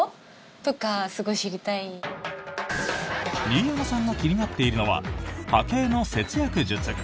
新山さんが気になっているのは家計の節約術。